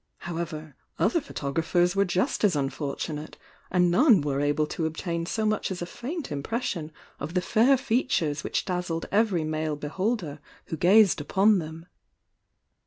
However, other photographers were just as unfortunate, and none were able to obtain so much as a faint impression of the fair features which dazzled every male beholder who gazed upon them.